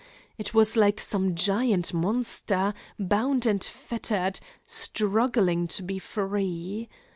It was like some giant monster, bound and fettered, struggling to be free.